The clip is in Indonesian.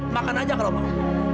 makan aja kalau mau